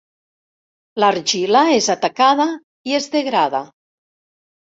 L'argila és atacada i es degrada.